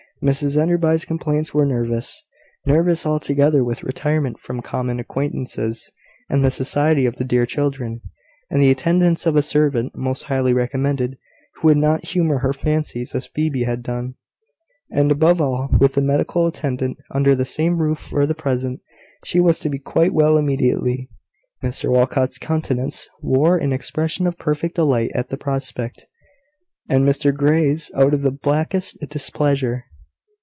Mrs Enderby's complaints were nervous nervous altogether. With retirement from common acquaintances, and the society of the dear children, and the attendance of a servant (most highly recommended) who would not humour her fancies as Phoebe had done; and, above all, with a medical attendant under the same roof for the present, she was to be quite well immediately. Mr Walcot's countenance wore an expression of perfect delight at the prospect, and Mr Grey's of the blackest displeasure.